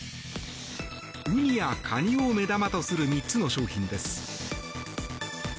ウニやカニを目玉とする３つの商品です。